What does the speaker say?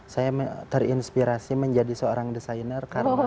saya terinspirasi menjadi seorang desainer